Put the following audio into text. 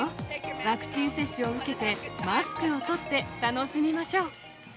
ワクチン接種を受けて、マスクを取って、楽しみしましょう。